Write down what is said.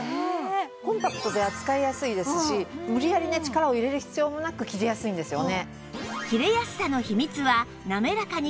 コンパクトで扱いやすいですし無理やりね力を入れる必要もなく切りやすいんですよね。